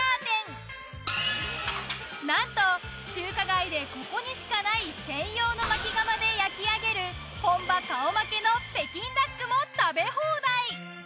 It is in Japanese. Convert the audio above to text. なんと中華街でここにしかない専用の薪釜で焼きあげる本場顔負けの北京ダックも食べ放題。